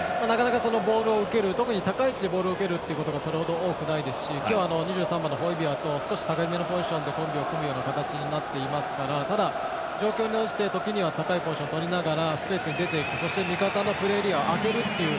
なかなかボールを受ける特に高い位置で受けることがそれほど多くないですし今日、２３番のホイビヤと少し高めのポジションでコンビを組むような形になってますからただ状況に応じて、時には高いポジションをとりながらスペースに出て行く、そして味方のプレーエリアを空けるという。